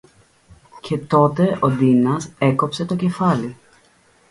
Και τότε ο Ντίνας έκοψε το κεφάλι